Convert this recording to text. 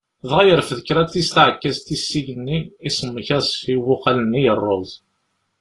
Dɣa yerfed Kratis taɛekkazt-is s igenni iṣemmek-as i ubuqal-nni yerreẓ.